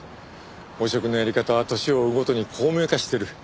汚職のやり方は年を追うごとに巧妙化している。